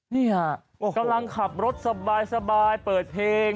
นี่ฮะกำลังขับรถสบายเปิดเพลง